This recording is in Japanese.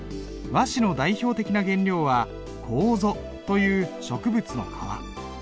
和紙の代表的な原料は楮という植物の皮。